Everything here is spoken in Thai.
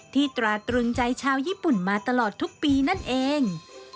ตราตรึงใจชาวญี่ปุ่นมาตลอดทุกปีนั่นเอง